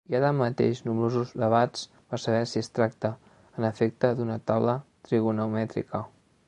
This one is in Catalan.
Hi ha tanmateix nombrosos debats per saber si es tracta en efecte d'una taula trigonomètrica.